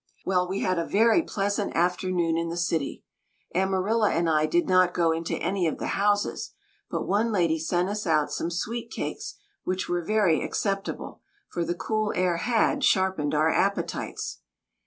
Well, we had a very pleasant afternoon in the city. Amarilla and I did not go into any of the houses, but one lady sent us out some sweet cakes which were very acceptable, for the cool air had, sharpened our appetites.